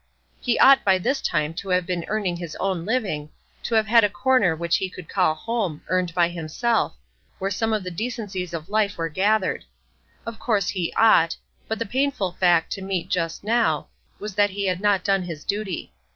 He ought by this time to have been earning his own living, to have had a corner which he could call home, earned by himself, where some of the decencies of life were gathered. Of course he ought; but the painful fact to meet just now, was that he had not done his duty.